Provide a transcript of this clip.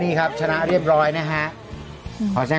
พี่ปั๊ดเดี๋ยวมาที่ร้องให้